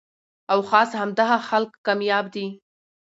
او خاص همدغه خلک کامياب دي